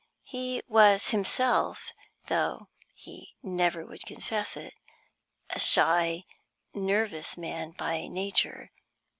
He was himself though he never would confess it a shy, nervous man by nature.